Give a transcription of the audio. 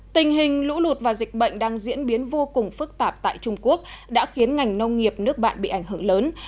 tình hình lũ lụt và dịch bệnh đang diễn biến vô cùng phức tạp tại trung quốc đã khiến ngành nông nghiệp nước bạn bị ảnh hưởng lớn